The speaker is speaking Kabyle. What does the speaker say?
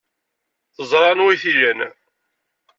Teẓra anwa ay t-ilan.